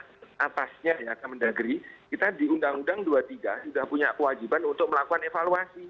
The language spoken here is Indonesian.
atasnya ya kemendagri kita di undang undang dua puluh tiga sudah punya kewajiban untuk melakukan evaluasi